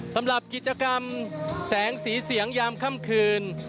สำหรับกิจกรรมแสงสีเสียงยามค่ำคืน